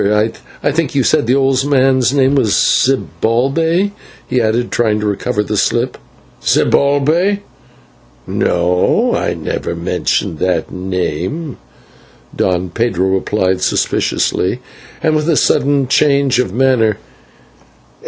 I think that you said the old man's name was Zibalbay," he added, trying to recover the slip. "Zibalbay! No, I never mentioned that name," Don Pedro replied suspiciously, and with a sudden change of manner.